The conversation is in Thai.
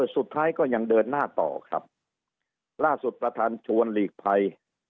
ก็ยังเดินหน้าต่อครับล่าสุดประธานชวนหลีกภัย